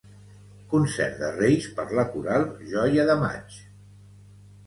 Concert de Reis per la Coral Joia de Maig.